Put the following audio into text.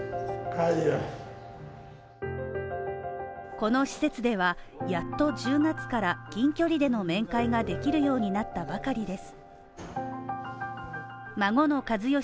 この施設ではやっと１０月から近距離での面会ができるようになったばかりです。